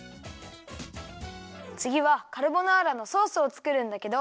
つぎはカルボナーラのソースをつくるんだけど。